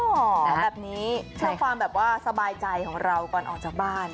แบบนี้เพื่อความแบบว่าสบายใจของเราก่อนออกจากบ้าน